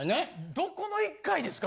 どこの１回ですか？